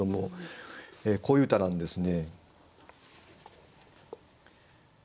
こういう歌なんですね。